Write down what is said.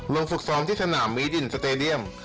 ฝึกซ้อมที่สนามมีดินสเตดียม